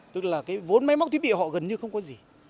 tức là cái vốn máy móc thiết bị họ gần như không có gì